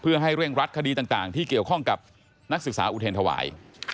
เพื่อให้เร่งรัดคดีต่างที่เกี่ยวข้องกับนักศึกษาอุเทรนธวาย